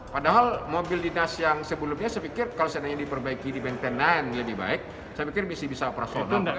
padahal mobil dinas yang sebelumnya saya pikir kalau seandainya diperbaiki di maintain sembilan lebih baik saya pikir masih bisa operasional